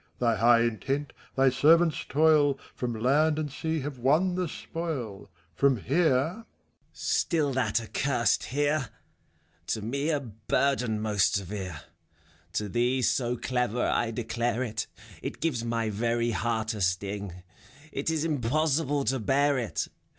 Thy high intent, thy servants' toil, From land and sea have won the spoil. From here — FAUST. Still that accursed Heref To me a burden most severe. To thee, so clever, I declare it, — It gives my very heart a sting; It is impossible to bear it